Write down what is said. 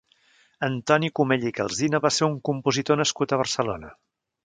Antoni Comella i Calsina va ser un compositor nascut a Barcelona.